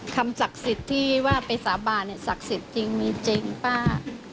ศักดิ์สิทธิ์ที่ว่าไปสาบานศักดิ์สิทธิ์จริงมีจริงป้า